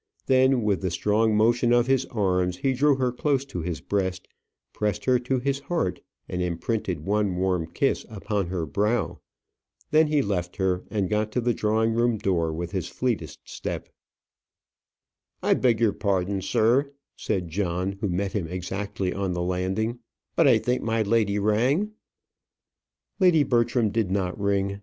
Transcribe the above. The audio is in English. Then, with the strong motion of his arms, he drew her close to his breast, pressed her to his heart, and imprinted one warm kiss upon her brow. Then he left her, and got to the drawing room door with his fleetest step. "I beg your pardon, sir," said John, who met him exactly on the landing; "but I think my lady rang." "Lady Bertram did not ring.